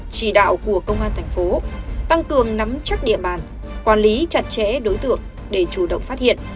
chỉ đạo của công an thành phố tăng cường nắm chắc địa bàn quản lý chặt chẽ đối tượng để chủ động phát hiện